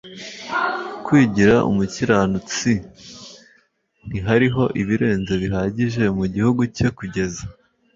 kwigira umukiranutsi? ntihariho ibirenze bihagije mugihugu cye kugeza